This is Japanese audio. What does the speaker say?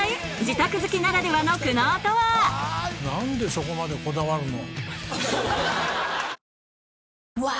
何でそこまでこだわるの？